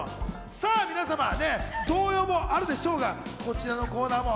さぁ皆様、動揺もあるでしょうが、こちらのコーナーも。